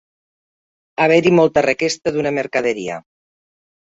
Haver-hi molta requesta d'una mercaderia.